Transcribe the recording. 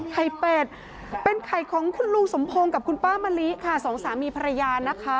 เป็ดเป็นไข่ของคุณลุงสมพงศ์กับคุณป้ามะลิค่ะสองสามีภรรยานะคะ